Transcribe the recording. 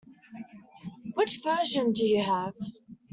Which version do you have?